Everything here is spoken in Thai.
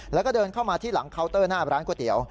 แล้วก็เดินเข้ามาที่หลังเคาน์เตอร์หน้าร้านก๋วยเตี๋ยว